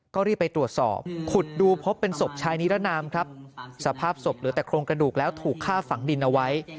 ก็รีบไปตรวจสอบขุดดูพบเป็นศพชายนิรนามครับสภาพศพเหลือแต่โครงกระดูกแล้วถูกฆ่าฝังดินเอาไว้